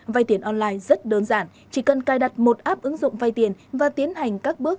vay tiền online rất đơn giản chỉ cần cài đặt một app ứng dụng vay tiền và tiến hành các bước